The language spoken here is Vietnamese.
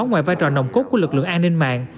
ngoài vai trò nồng cốt của lực lượng an ninh mạng